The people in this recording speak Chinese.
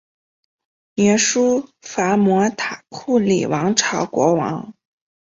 鸯输伐摩塔库里王朝国王。